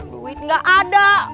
duit gak ada